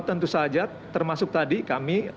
tentu saja termasuk tadi kami